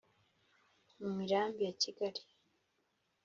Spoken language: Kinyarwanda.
mu mirambi ya kigali